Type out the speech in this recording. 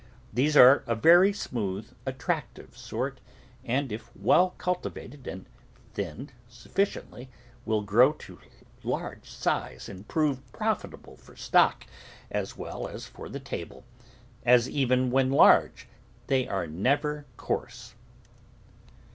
These are a very smooth, attractive sort, and, if well culti vated and thinned sufficiently, will grow to large size and prove profitable for stock as well as for the table, as even when large they are never coarse.